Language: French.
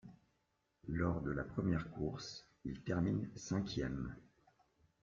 Lors de la première course, il termine cinquième.